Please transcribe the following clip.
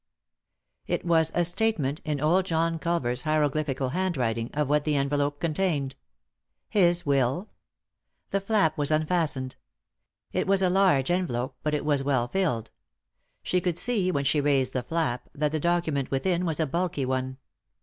'* It was a statement, in old John Culver's hiero glyphical handwriting, of what the envelope contained. His will ? The flap was unfastened. It was a large envelope, but it was well filled. She could see, when she raised the flap, that the document within was a bulky one.